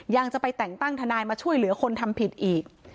ยังจะไปแต่งตั้งทนายมาช่วยเหลือคนทำผิดอีก